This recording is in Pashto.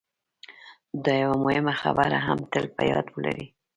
دا یوه مهمه خبره هم تل په یاد ولرئ